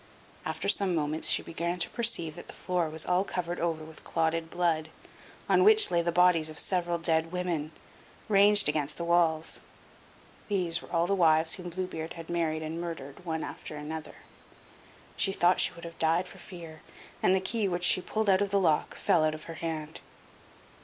After some moments she began to perceive that the floor was all covered over with clotted blood, on which lay the bodies of several dead women, ranged against the walls. (These were all the wives whom Blue Beard had married and murdered, one after another.) She thought she should have died for fear, and the key, which she pulled out of the lock, fell out of her hand.